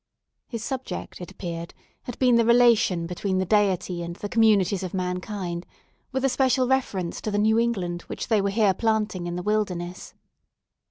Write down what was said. His subject, it appeared, had been the relation between the Deity and the communities of mankind, with a special reference to the New England which they were here planting in the wilderness.